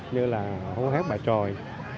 như là hôn hét bài tròi